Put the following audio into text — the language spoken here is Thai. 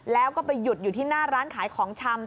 แล้วก็ไปหยุดอยู่ที่หน้าร้านขายของชำ